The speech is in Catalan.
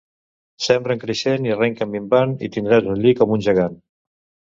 Sembra en creixent i arrenca en minvant i tindràs un lli com un gegant.